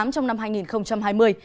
cơn bão số tám trong năm hai nghìn hai mươi